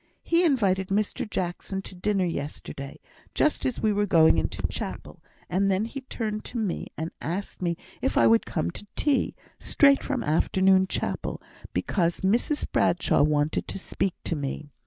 He invited Mr Jackson to dinner yesterday, just as we were going into chapel; and then he turned to me and asked me if I would come to tea straight from afternoon chapel, because Mrs Bradshaw wanted to speak to me.